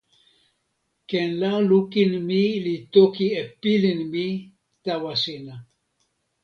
ken la lukin mi li toki e pilin mi tawa sina.